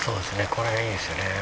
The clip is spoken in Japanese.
これがいいですよね。